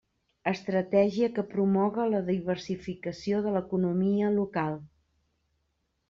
Estratègia que promoga la diversificació de l'economia local.